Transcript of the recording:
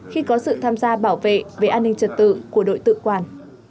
khi có sự tham gia bảo vệ về an ninh trật tự của đội tự quản